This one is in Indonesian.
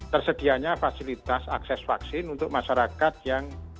tersedianya fasilitas akses vaksin untuk masyarakat yang